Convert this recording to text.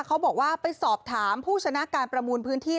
เขาบอกว่าไปสอบถามผู้ชนะการประมูลพื้นที่